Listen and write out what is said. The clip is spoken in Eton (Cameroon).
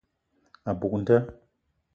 A buk nda.